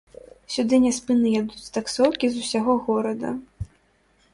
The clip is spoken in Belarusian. Сюды няспынна едуць таксоўкі з усяго горада.